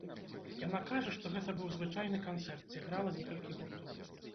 Яна кажа, што гэта быў звычайны канцэрт, дзе грала некалькі гуртоў.